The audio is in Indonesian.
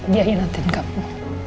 dia ingatin kamu